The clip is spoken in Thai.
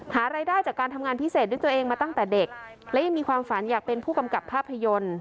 หารายได้จากการทำงานพิเศษด้วยตัวเองมาตั้งแต่เด็กและยังมีความฝันอยากเป็นผู้กำกับภาพยนตร์